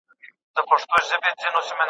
استاد ماشومانو ته قلمونه ورکړل.